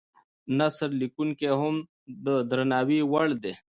نثر لیکونکي هم د درناوي وړ دي.